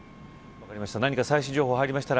分かりました。